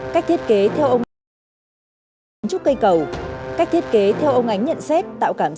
cách thiết kế theo ông ánh nhận xét tạo cảm giác